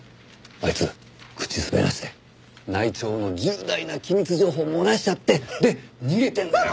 あいつ口滑らせて内調の重大な機密情報を漏らしちゃってで逃げてんだよ。